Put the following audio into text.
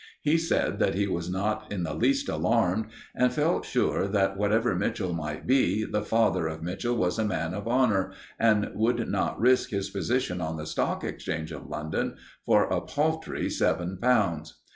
He said that he was not in the least alarmed, and felt sure that, whatever Mitchell might be, the father of Mitchell was a man of honour, and would not risk his position on the Stock Exchange of London for a paltry seven pounds.